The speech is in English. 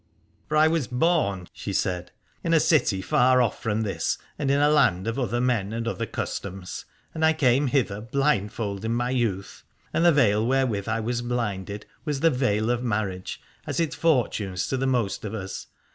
For I was born, she said, in a city far off from this, in a land of other men and other customs, and I came hither blindfold in my youth. And the veil wherewith I was blinded was the veil of marriage, as it fortunes to the most of us.